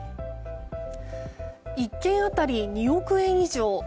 １軒当たり２億円以上。